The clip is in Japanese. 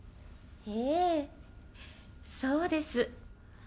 ええそうです。